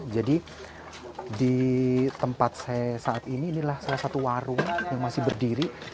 jadi di tempat saya saat ini inilah salah satu warung yang masih berdiri